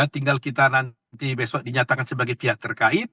tinggal kita nanti besok dinyatakan sebagai pihak terkait